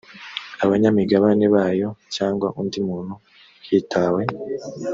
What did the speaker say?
abanyamigabane bayo cyangwa undi muntu hitawe